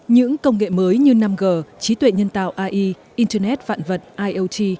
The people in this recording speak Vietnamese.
những công nghệ mới như năm g trí tuệ nhân tạo ai internet vạn vật iot